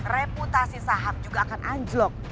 reputasi saham juga akan anjlok